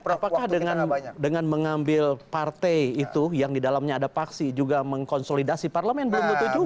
apakah dengan mengambil partai itu yang di dalamnya ada paksi juga mengkonsolidasi parlemen belum tentu juga